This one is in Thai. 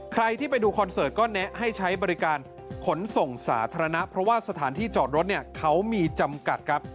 ใครที่ไปดูคอนเสิร์ตก็แนะให้ใช้บริการขนส่งสาธารณะเพราะว่าสถานที่จอดรถเนี่ยเขามีจำกัดครับ